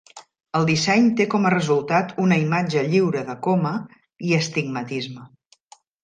El disseny té com a resultat una imatge lliure de coma i astigmatisme.